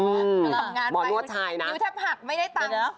ถ้าชอบงานไปนิวทัศน์ผักคุณไม่ได้ตั้ง